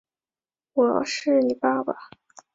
另一头有人露出一样的笑容